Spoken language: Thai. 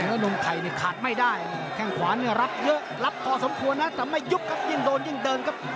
แล้วนมไข่นี่ขาดไม่ได้แข้งขวาเนี่ยรับเยอะรับพอสมควรนะแต่ไม่ยุบครับยิ่งโดนยิ่งเดินครับ